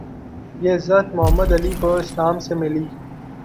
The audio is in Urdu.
یہ عزت محمد علی کو اسلام سے ملی